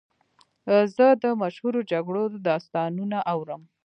زه د مشهورو جګړو داستانونه اورم.